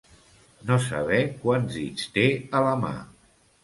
No saber quants dits té a la mà.